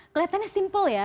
kelihatannya simple ya